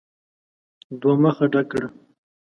دوه مخه ډک کړه !